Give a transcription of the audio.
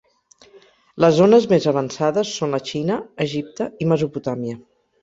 Les zones més avançades són la Xina, Egipte i Mesopotàmia.